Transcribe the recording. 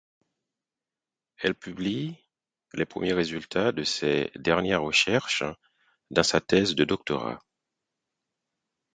Elle publie les premiers résultats de ses dernières recherches dans sa thèse de doctorat.